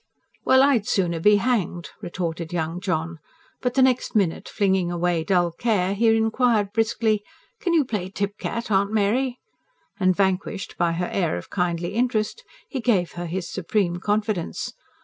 "Well, I'd sooner be hanged!" retorted young John. But the next minute flinging away dull care, he inquired briskly: "Can you play tipcat, Aunt Mary?" And vanquished by her air of kindly interest, he gave her his supreme confidence.